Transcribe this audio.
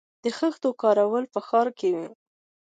د خښتو کارول په ښارونو کې وو